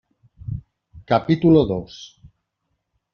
capítulo dos.